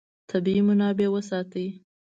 طبیعي منابع وساتئ.